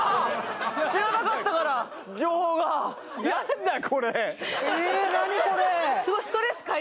知らなかったから情報がえーっ何これ？